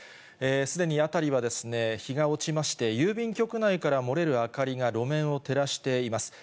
すでに辺りは日が落ちまして、郵便局内から漏れる明かりが路面を照らしています。